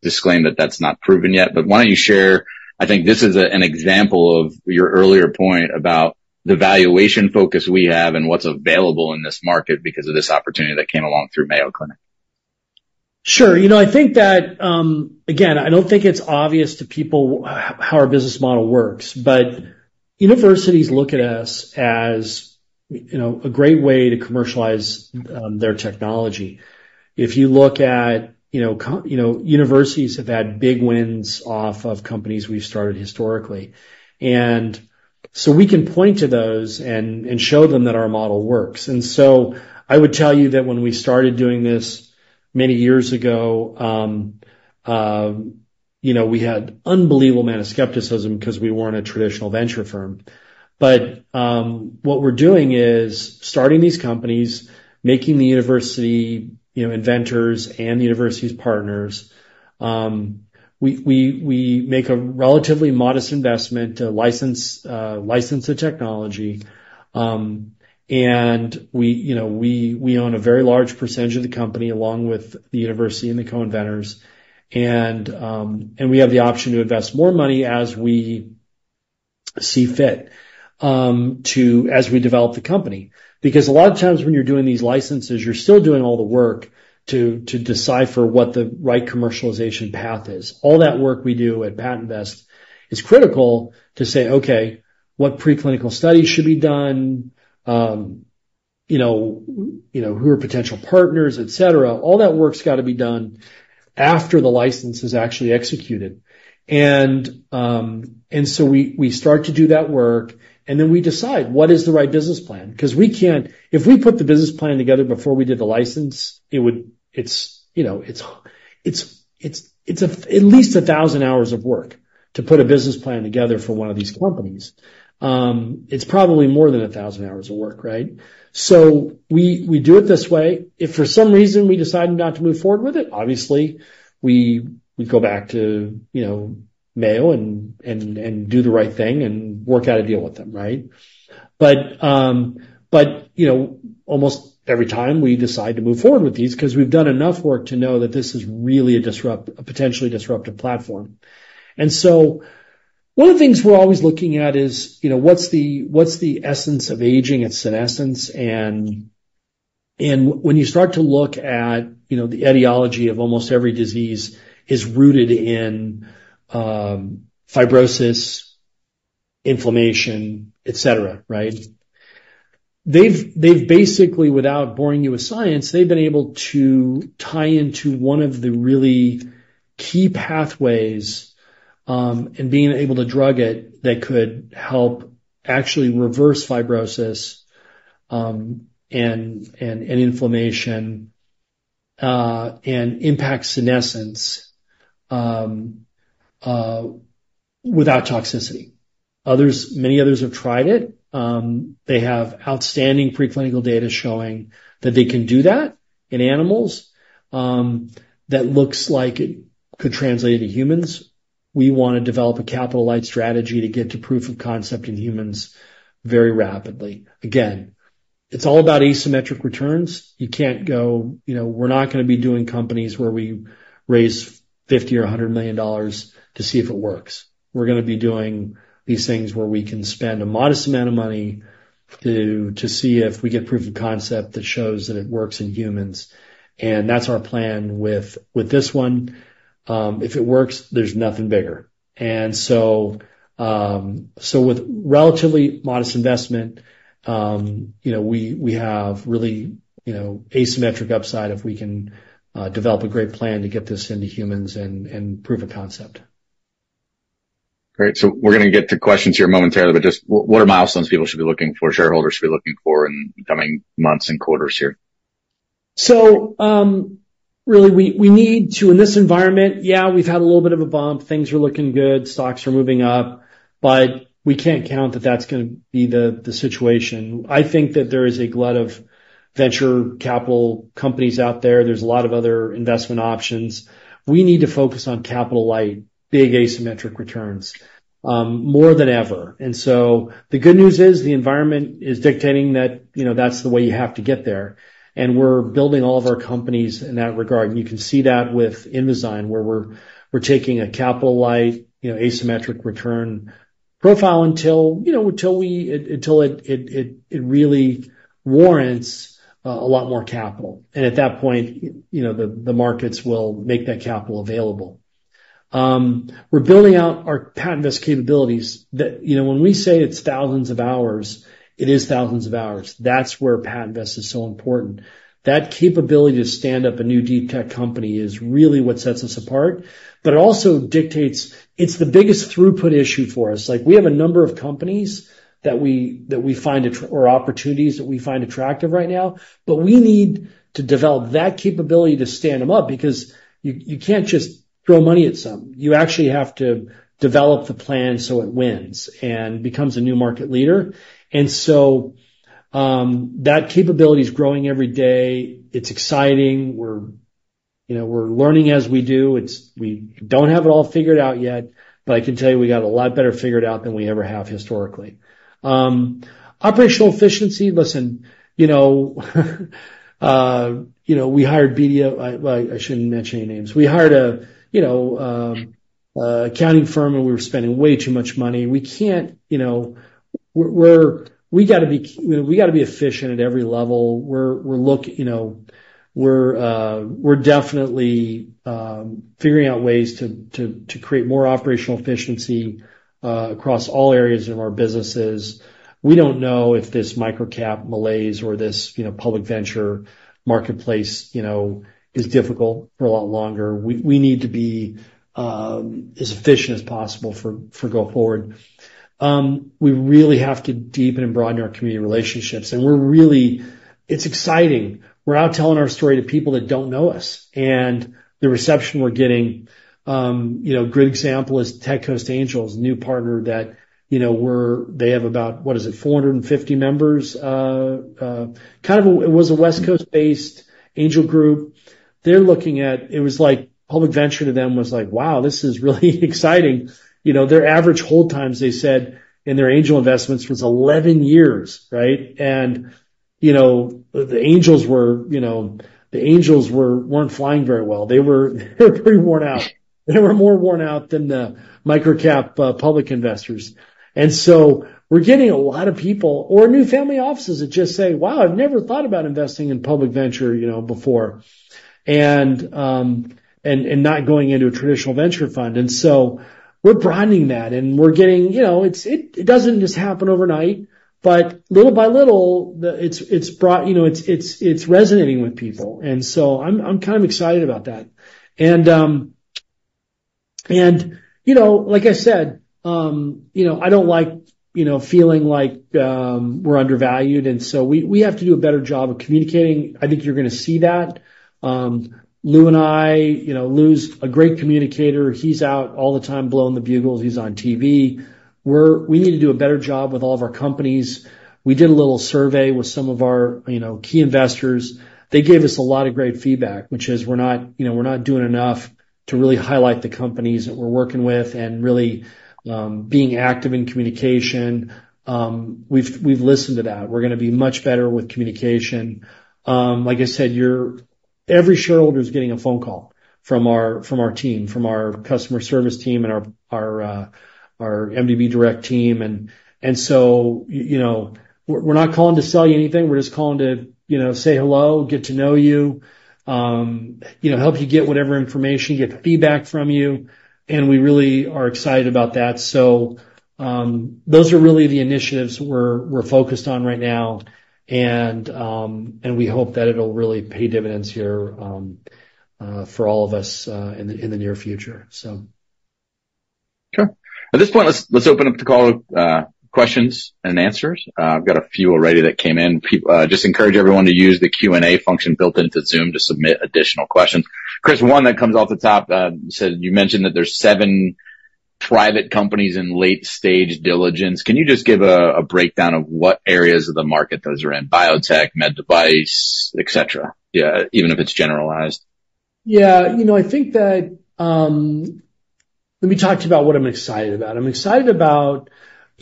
Disclaim that that's not proven yet. But why don't you share? I think this is an example of your earlier point about the valuation focus we have and what's available in this market because of this opportunity that came along through Mayo Clinic. Sure. I think that, again, I don't think it's obvious to people how our business model works. But universities look at us as a great way to commercialize their technology. If you look at universities have had big wins off of companies we've started historically. And so we can point to those and show them that our model works. And so I would tell you that when we started doing this many years ago, we had an unbelievable amount of skepticism because we weren't a traditional venture firm. But what we're doing is starting these companies, making the university inventors and the university's partners. We make a relatively modest investment to license the technology. And we own a very large percentage of the company along with the university and the co-inventors. And we have the option to invest more money as we see fit as we develop the company. Because a lot of times when you're doing these licenses, you're still doing all the work to decipher what the right commercialization path is. All that work we do at PatentVest is critical to say, "Okay, what preclinical studies should be done? Who are potential partners, etc.?" All that work's got to be done after the license is actually executed. And so we start to do that work. And then we decide what is the right business plan. Because if we put the business plan together before we did the license, it's at least 1,000 hours of work to put a business plan together for one of these companies. It's probably more than 1,000 hours of work, right? So we do it this way. If for some reason we decide not to move forward with it, obviously, we go back to Mayo and do the right thing and work out a deal with them, right? But almost every time we decide to move forward with these because we've done enough work to know that this is really a potentially disruptive platform. And so one of the things we're always looking at is what's the essence of aging at senescence? And when you start to look at the etiology of almost every disease is rooted in fibrosis, inflammation, etc., right? They've basically, without boring you with science, they've been able to tie into one of the really key pathways and being able to drug it that could help actually reverse fibrosis and inflammation and impact senescence without toxicity. Many others have tried it. They have outstanding preclinical data showing that they can do that in animals. That looks like it could translate into humans. We want to develop a capital-light strategy to get to proof of concept in humans very rapidly. Again, it's all about asymmetric returns. You can't go, "We're not going to be doing companies where we raise $50 or $100 million dollars to see if it works." We're going to be doing these things where we can spend a modest amount of money to see if we get proof of concept that shows that it works in humans. And that's our plan with this one. If it works, there's nothing bigger. And so with relatively modest investment, we have really asymmetric upside if we can develop a great plan to get this into humans and proof of concept. Great. So we're going to get to questions here momentarily, but just what are milestones people should be looking for, shareholders should be looking for in the coming months and quarters here? So really, we need to, in this environment, yeah, we've had a little bit of a bump. Things are looking good. Stocks are moving up. But we can't count that that's going to be the situation. I think that there is a glut of venture capital companies out there. There's a lot of other investment options. We need to focus on capital-light, big asymmetric returns more than ever. And so the good news is the environment is dictating that that's the way you have to get there. And we're building all of our companies in that regard. And you can see that with Invizyne, where we're taking a capital-light, asymmetric return profile until it really warrants a lot more capital. And at that point, the markets will make that capital available. We're building out our PatentVest capabilities. When we say it's thousands of hours, it is thousands of hours. That's where PatentVest is so important. That capability to stand up a new deep tech company is really what sets us apart. But it also dictates, it's the biggest throughput issue for us. We have a number of companies that we find or opportunities that we find attractive right now. But we need to develop that capability to stand them up because you can't just throw money at some. You actually have to develop the plan so it wins and becomes a new market leader. And so that capability is growing every day. It's exciting. We're learning as we do. We don't have it all figured out yet. But I can tell you we got a lot better figured out than we ever have historically. Operational efficiency, listen, we hired BDO. I shouldn't mention any names. We hired an accounting firm, and we were spending way too much money. We got to be efficient at every level. We're definitely figuring out ways to create more operational efficiency across all areas of our businesses. We don't know if this micro-cap malaise or Public Venture marketplace is difficult for a lot longer. We need to be as efficient as possible going forward. We really have to deepen and broaden our community relationships, and it's exciting. We're out telling our story to people that don't know us. And the reception we're getting, a good example is Tech Coast Angels, a new partner that they have about, what is it, 450 members. Kind of, it was a West Coast-based angel group. They're looking at it. It was Public Venture to them was like, "Wow, this is really exciting." Their average hold times, they said, in their angel investments was 11 years, right? And the angels weren't flying very well. They were pretty worn out. They were more worn out than the micro-cap public investors. And so we're getting a lot of people or new family offices that just say, "Wow, I've never thought about investing Public Venture before," and not going into a traditional venture fund. And so we're broadening that. And we're getting it doesn't just happen overnight. But little by little, it's resonating with people. And so I'm kind of excited about that. And like I said, I don't like feeling like we're undervalued. And so we have to do a better job of communicating. I think you're going to see that. Lou and I, Lou's a great communicator. He's out all the time blowing the bugles. He's on TV. We need to do a better job with all of our companies. We did a little survey with some of our key investors. They gave us a lot of great feedback, which is we're not doing enough to really highlight the companies that we're working with and really being active in communication. We've listened to that. We're going to be much better with communication. Like I said, every shareholder is getting a phone call from our team, from our customer service team and our MDB Direct team. And so we're not calling to sell you anything. We're just calling to say hello, get to know you, help you get whatever information, get feedback from you. And we really are excited about that. So those are really the initiatives we're focused on right now. And we hope that it'll really pay dividends here for all of us in the near future, so. Okay. At this point, let's open up to call questions and answers. I've got a few already that came in. Just encourage everyone to use the Q&A function built into Zoom to submit additional questions. Chris, one that comes off the top, you mentioned that there's seven private companies in late-stage diligence. Can you just give a breakdown of what areas of the market those are in? Biotech, med device, etc., even if it's generalized. Yeah. I think that let me talk to you about what I'm excited about. I'm excited about.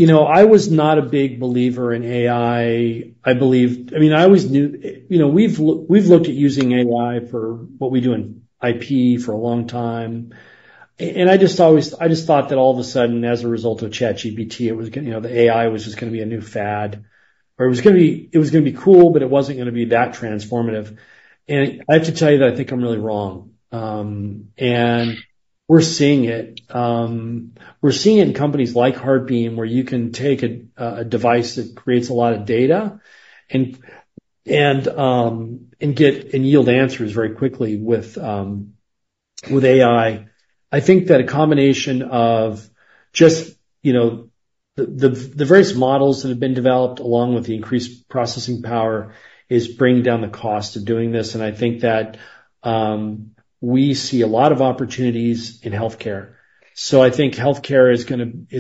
I was not a big believer in AI. I mean, I always knew we've looked at using AI for what we do in IP for a long time. And I just thought that all of a sudden, as a result of ChatGPT, the AI was just going to be a new fad. Or it was going to be it was going to be cool, but it wasn't going to be that transformative. And I have to tell you that I think I'm really wrong. And we're seeing it. We're seeing it in companies like HeartBeam, where you can take a device that creates a lot of data and yield answers very quickly with AI. I think that a combination of just the various models that have been developed along with the increased processing power is bringing down the cost of doing this. And I think that we see a lot of opportunities in healthcare. So I think healthcare is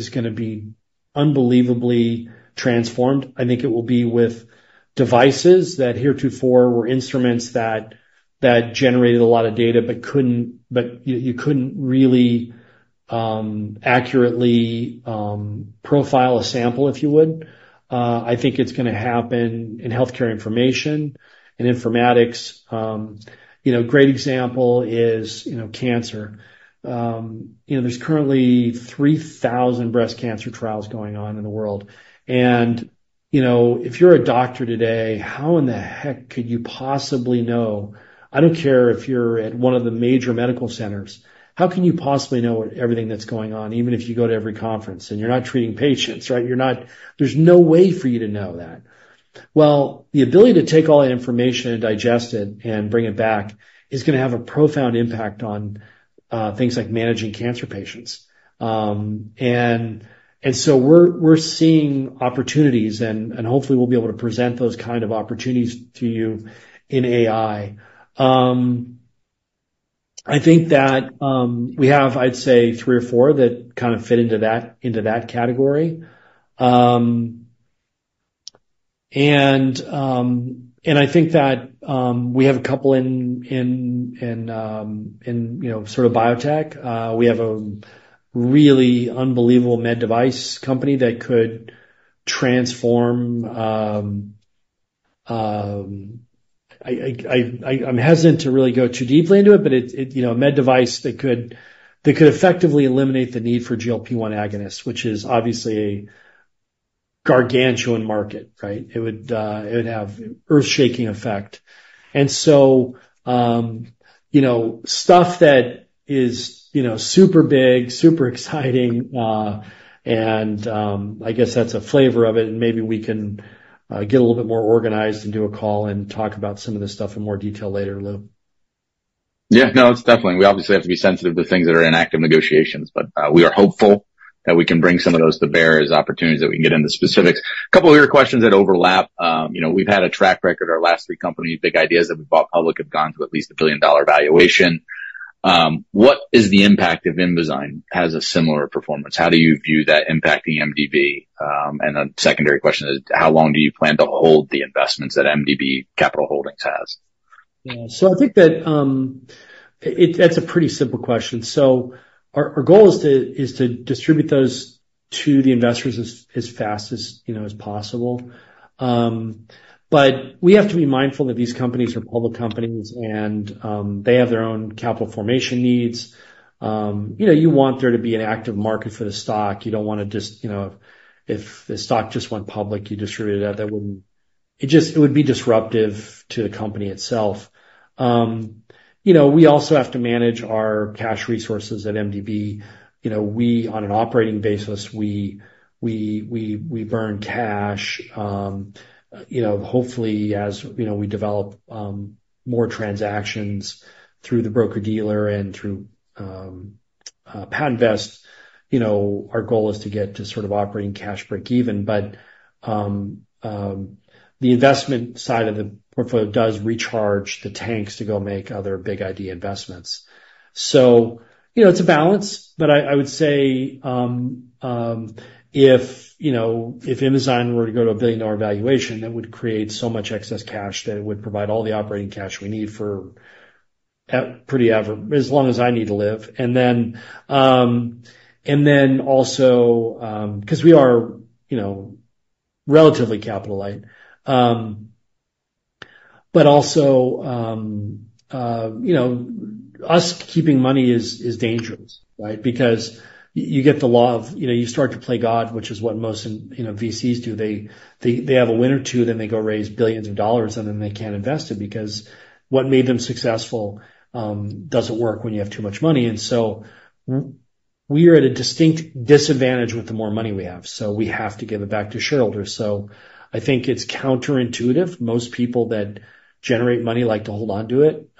going to be unbelievably transformed. I think it will be with devices that heretofore were instruments that generated a lot of data, but you couldn't really accurately profile a sample, if you would. I think it's going to happen in healthcare information and informatics. Great example is cancer. There's currently 3,000 breast cancer trials going on in the world. And if you're a doctor today, how in the heck could you possibly know? I don't care if you're at one of the major medical centers. How can you possibly know everything that's going on, even if you go to every conference? You're not treating patients, right? There's no way for you to know that. The ability to take all that information and digest it and bring it back is going to have a profound impact on things like managing cancer patients. We're seeing opportunities. Hopefully, we'll be able to present those kind of opportunities to you in AI. I think that we have, I'd say, three or four that kind of fit into that category. I think that we have a couple in sort of biotech. We have a really unbelievable med device company that could transform. I'm hesitant to really go too deeply into it, but a med device that could effectively eliminate the need for GLP-1 agonists, which is obviously a gargantuan market, right? It would have an earthshaking effect. Stuff that is super big, super exciting. And I guess that's a flavor of it. And maybe we can get a little bit more organized and do a call and talk about some of this stuff in more detail later, Lou. Yeah. No, it's definitely. We obviously have to be sensitive to things that are in active negotiations. But we are hopeful that we can bring some of those to bear as opportunities that we can get into specifics. A couple of your questions that overlap. We've had a track record. Our last three companies, Big Ideas, that we brought public have gone to at least a billion-dollar valuation. What is the impact if Invizyne has a similar performance? How do you view that impacting MDB? And a secondary question is, how long do you plan to hold the investments that MDB Capital Holdings has? Yeah. So I think that that's a pretty simple question. So our goal is to distribute those to the investors as fast as possible. But we have to be mindful that these companies are public companies, and they have their own capital formation needs. You want there to be an active market for the stock. You don't want to just if the stock just went public, you distribute it out. It would be disruptive to the company itself. We also have to manage our cash resources at MDB. On an operating basis, we burn cash. Hopefully, as we develop more transactions through the broker-dealer and through PatentVest, our goal is to get to sort of operating cash break-even. But the investment side of the portfolio does recharge the tanks to go make other big idea investments. So it's a balance. But I would say if Invizyne were to go to a billion-dollar valuation, that would create so much excess cash that it would provide all the operating cash we need for pretty as long as I need to live. And then also because we are relatively capital-light. But also us keeping money is dangerous, right? Because you get the law of you start to play God, which is what most VCs do. They have a win or two, then they go raise billions of dollars, and then they can't invest it because what made them successful doesn't work when you have too much money. And so we are at a distinct disadvantage with the more money we have. So we have to give it back to shareholders. So I think it's counterintuitive. Most people that generate money like to hold on to it.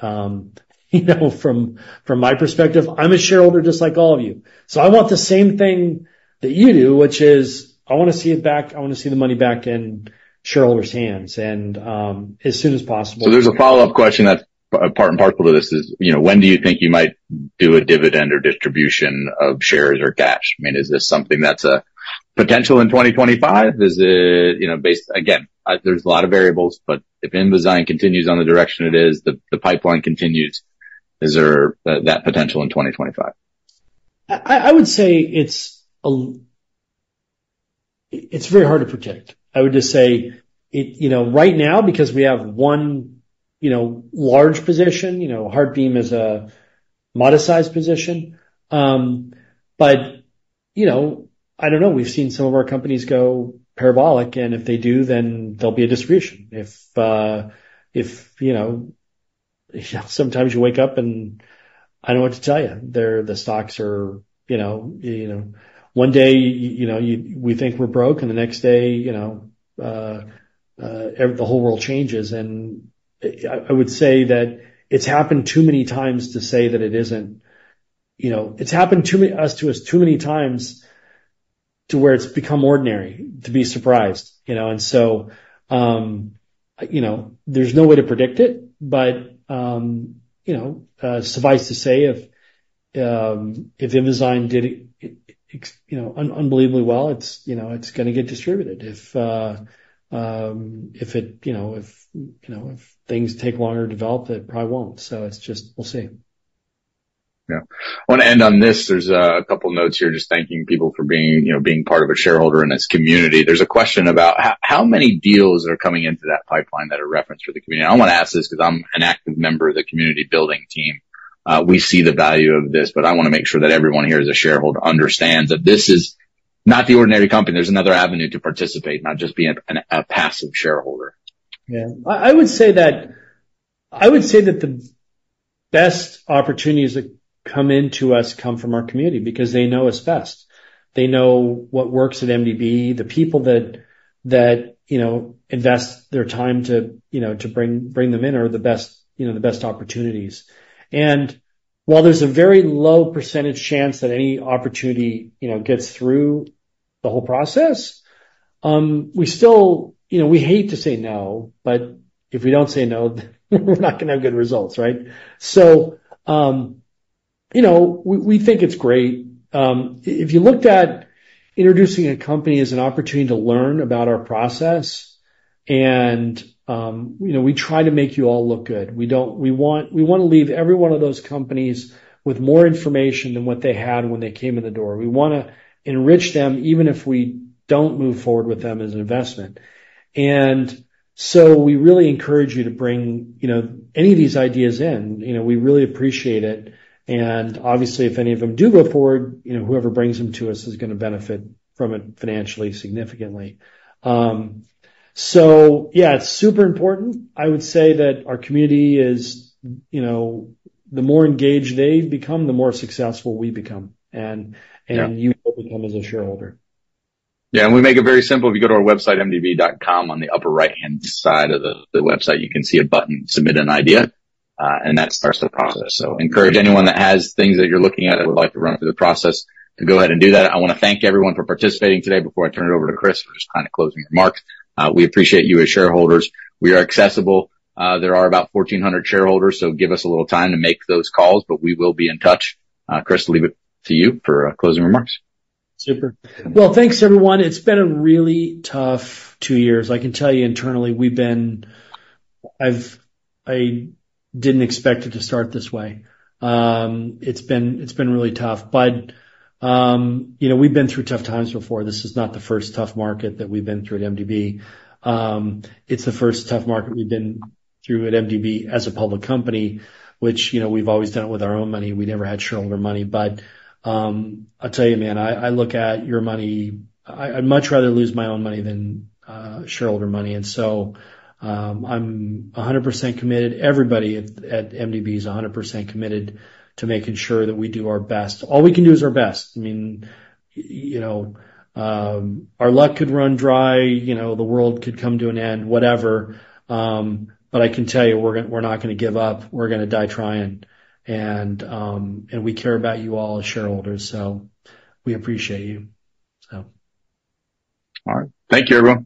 From my perspective, I'm a shareholder just like all of you. So I want the same thing that you do, which is I want to see it back. I want to see the money back in shareholders' hands as soon as possible. So there's a follow-up question that's part and parcel to this. When do you think you might do a dividend or distribution of shares or cash? I mean, is this something that's a potential in 2025? Again, there's a lot of variables. But if Invizyne continues on the direction it is, the pipeline continues, is there that potential in 2025? I would say it's very hard to predict. I would just say right now, because we have one large position, HeartBeam is a modest-sized position. But I don't know. We've seen some of our companies go parabolic, and if they do, then there'll be a distribution. If, sometimes, you wake up and I don't know what to tell you, the stocks are one day we think we're broke, and the next day the whole world changes. I would say that it's happened too many times to say that it isn't. It's happened to us too many times to where it's become ordinary to be surprised, and so there's no way to predict it. But suffice to say, if Invizyne did it unbelievably well, it's going to get distributed. If things take longer to develop, it probably won't. So it's just we'll see. Yeah. I want to end on this. There's a couple of notes here just thanking people for being part of a shareholder in this community. There's a question about how many deals are coming into that pipeline that are referenced for the community. I want to ask this because I'm an active member of the community building team. We see the value of this. But I want to make sure that everyone here as a shareholder understands that this is not the ordinary company. There's another avenue to participate, not just be a passive shareholder. Yeah. I would say that the best opportunities that come into us come from our community because they know us best. They know what works at MDB. The people that invest their time to bring them in are the best opportunities. And while there's a very low percentage chance that any opportunity gets through the whole process, we still hate to say no. But if we don't say no, we're not going to have good results, right? So we think it's great. If you looked at introducing a company as an opportunity to learn about our process, and we try to make you all look good. We want to leave every one of those companies with more information than what they had when they came in the door. We want to enrich them even if we don't move forward with them as an investment. We really encourage you to bring any of these ideas in. We really appreciate it. And obviously, if any of them do go forward, whoever brings them to us is going to benefit from it financially significantly. So yeah, it's super important. I would say that our community is the more engaged they become, the more successful we become. You will become as a shareholder. Yeah, and we make it very simple. If you go to our website, mdbcapital.com, on the upper right-hand side of the website, you can see a button, submit an idea, and that starts the process, so encourage anyone that has things that you're looking at that would like to run through the process to go ahead and do that. I want to thank everyone for participating today before I turn it over to Chris for just kind of closing remarks. We appreciate you as shareholders. We are accessible. There are about 1,400 shareholders, so give us a little time to make those calls, but we will be in touch. Chris, I'll leave it to you for closing remarks. Super. Well, thanks, everyone. It's been a really tough two years. I can tell you internally, I didn't expect it to start this way. It's been really tough. But we've been through tough times before. This is not the first tough market that we've been through at MDB. It's the first tough market we've been through at MDB as a public company, which we've always done it with our own money. We never had shareholder money. But I'll tell you, man, I look at your money. I'd much rather lose my own money than shareholder money. And so I'm 100% committed. Everybody at MDB is 100% committed to making sure that we do our best. All we can do is our best. I mean, our luck could run dry. The world could come to an end, whatever. But I can tell you, we're not going to give up. We're going to die trying, and we care about you all as shareholders. So we appreciate you, so. All right. Thank you, everyone.